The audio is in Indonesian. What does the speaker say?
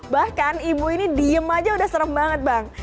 bahkan ibu ini diem aja udah serem banget bang